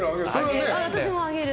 私もあげる。